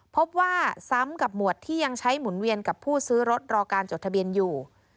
พบว่าซ้ำกับหมวดที่ยังใช้หมุนเวียนกับผู้ซื้อรถรอการจดทะเบียนอยู่